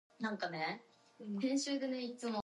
It feels super weird when I put pressure on it.